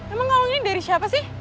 emang kalau ini dari siapa sih